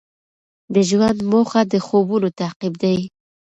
د ژوند موخه د خوبونو تعقیب دی.